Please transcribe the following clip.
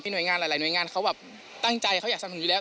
หน่วยงานหลายหน่วยงานเขาแบบตั้งใจเขาอยากสนุนอยู่แล้ว